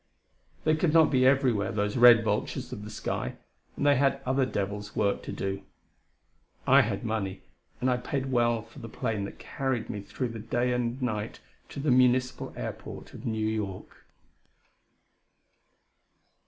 They could not be everywhere, those red vultures of the sky, and they had other devils' work to do. I had money, and I paid well for the plane that carried me through that day and a night to the Municipal Airport of New York.